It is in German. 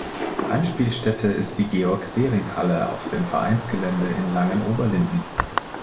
Heimspielstätte ist die "Georg-Sehring-Halle" auf dem Vereinsgelände in Langen-Oberlinden.